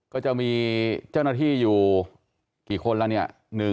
ก็จะมีเจ้าหน้าที่อยู่กี่คนละเนี่ย